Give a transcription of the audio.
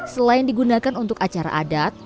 selain digunakan untuk acara adat